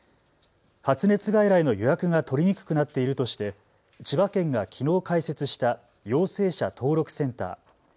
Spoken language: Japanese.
発熱外来の予約が取りにくくなっているとして千葉県がきのう開設した陽性者登録センター。